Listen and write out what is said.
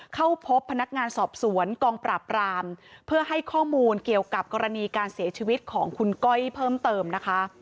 เข้าพบพนักงานสอบสวนกองปราบรามเพื่อให้ข้อมูลเกี่ยวกับกรณีการเสียชีวิตของคุณก้อยเพิ่มเติมนะคะ